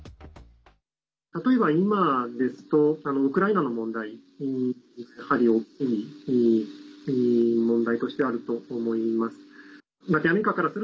例えば今ですとウクライナの問題がやはり大きい問題としてあると思います。